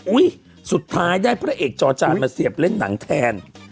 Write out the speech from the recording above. สุดท้ายได้พระเอกจอจานมาเสียบเล่นหนังแทน